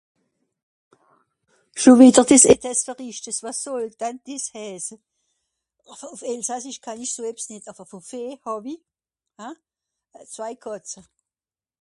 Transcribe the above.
scho wìtter des ... was sòll dann des hässe àwer ùff elsassisch kann ìsch so ebs nìt àwer vò fee hawie hein zwei Kàtze